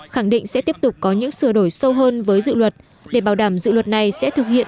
khẳng định sẽ tiếp tục có những sửa đổi sâu hơn với dự luật để bảo đảm dự luật này sẽ thực hiện